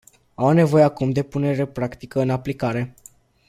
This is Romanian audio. Au nevoie acum de punere practică în aplicare.